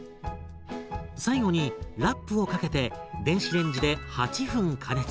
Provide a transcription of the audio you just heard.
最後にラップをかけて電子レンジで８分加熱。